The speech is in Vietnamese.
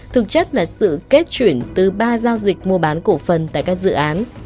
thực chất là sự kết chuyển từ ba giao dịch mua bán cổ phần tại các dự án